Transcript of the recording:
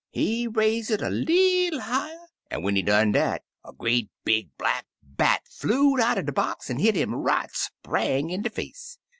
He raise it a leetle higher, an' when he done dat, a great big black bat flewed outer de box an' hit 'im right spang in dc face.